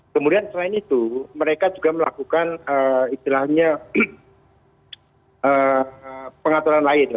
kemudian selain itu mereka juga melakukan istilahnya pengaturan lain